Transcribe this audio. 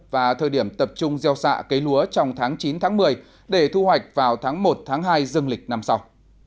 và thời điểm tập trung gieo xạ cấy lúa trong tháng chín tháng một mươi để thu hoạch vào tháng một hai dương lịch năm sau